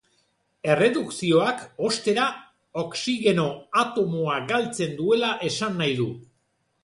Erredukzioak, ostera, oxigeno atomoa galtzen duela esan nahi du.